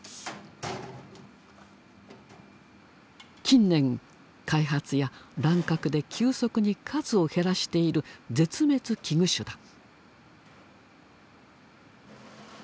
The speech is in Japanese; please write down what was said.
近年開発や乱獲で急速に数を減らしている絶滅危惧種だ。